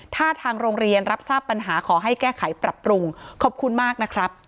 ถ้าทางโรงเรียนรับทราบปัญหาขอให้แก้ไขปรับปรุงขอบคุณมากนะครับ